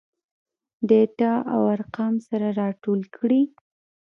ډاټا او ارقام سره راټول کړي.